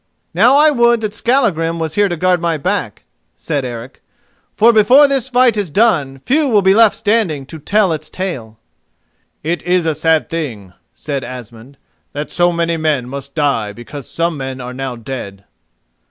"Now I would that Skallagrim was here to guard my back," said Eric, "for before this fight is done few will be left standing to tell its tale." "It is a sad thing," said Asmund, "that so many men must die because some men are now dead."